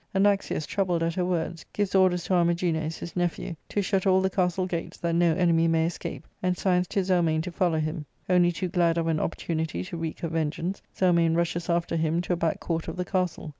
Anaxius, troubled at her words, gives orders to Armagines, his nephew, to shut all the castle gates, that no enemy may escape, and signs to Zelmane to follow him. Only too glad of an opportunity to wreak her vengeance, Zelmane rushes after him to a back court of the castle.